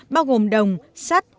bao gồm đồng sắt